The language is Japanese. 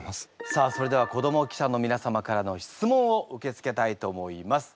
さあそれでは子ども記者のみな様からの質問を受け付けたいと思います。